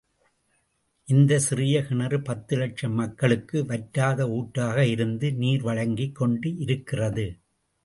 இந்த சிறிய கிணறு பத்து இலட்சம் மக்களுக்கு, வற்றாத ஊற்றாக இருந்து நீர் வழங்கிக் கொண்டிருக்கிறது.